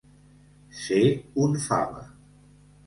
Ser un fava.